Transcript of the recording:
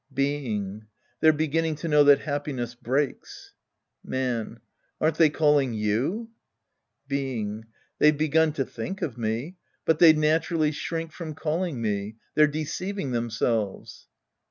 Being. They're beginning to know that happiness breaks. Man. Aren't they calling you ? Being. They've begun to think of me. But they naturally shrink from calling me. They're deceiving themselves.